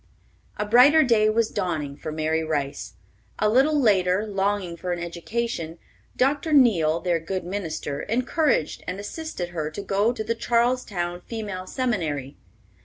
A brighter day was dawning for Mary Rice. A little later, longing for an education, Dr. Neale, their good minister, encouraged and assisted her to go to the Charlestown Female Seminary.